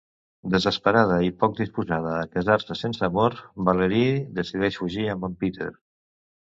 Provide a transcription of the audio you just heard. Desesperada i poc disposada a casar-se sense amor, Valeri decideix fugir amb en Peter.